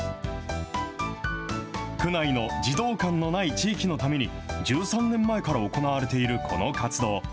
区内の児童館のない地域のために、１３年前から行われているこの活動。